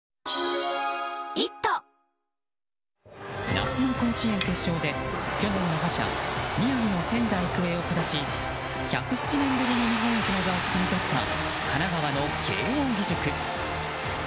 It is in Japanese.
夏の甲子園決勝で去年の覇者宮城の仙台育英を下し１０７年ぶりに日本一の座をつかみ取った神奈川の慶應義塾。